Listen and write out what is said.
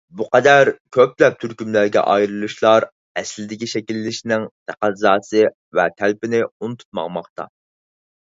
بۇ قەدەر كۆپلەپ تۈركۈملەرگە ئايرىلىشلار ئەسلىدىكى شەكىللىنىشىنىڭ تەقەززاسى ۋە تەلىپىنى ئۇنتۇپ ماڭماقتا.